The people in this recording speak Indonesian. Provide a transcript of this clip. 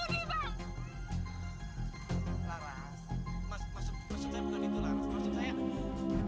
laras laras maksud saya bukan itu laras